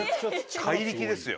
怪力ですよ。